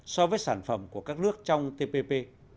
so với sản phẩm của các nước trong tpp